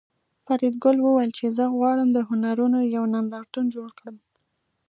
فریدګل وویل چې زه غواړم د هنرونو یو نندارتون جوړ کړم